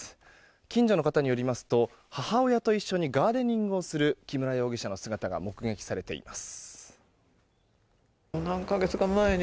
近所の方によりますと母親と一緒にガーデニングをする木村容疑者の姿が目撃されています。